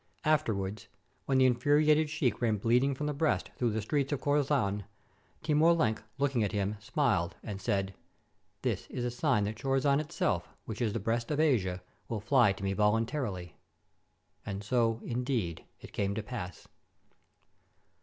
Afterwards, when the infuriated sheik ran bleeding from the breast through the streets of Chorazan, Timur Lenk, looking at him, smiled, and said: ''This is a sign that Chorazan itself, which is the breast of Asia, will fly to me voluntarily," And so, indeed, it came to pass.